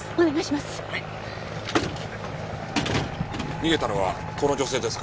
逃げたのはこの女性ですか？